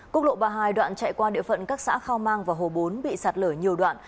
quốc lộ ba mươi hai đoạn chạy qua địa phận các xã khao mang và hồ bốn bị sạt lở nhiều đoạn